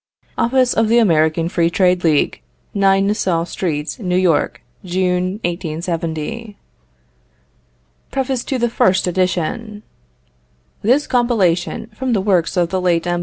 OFFICE OF THE AMERICAN FREE TRADE LEAGUE, 9 Nassau Street, New York, June, 1870. PREFACE TO FIRST EDITION. This compilation, from the works of the late M.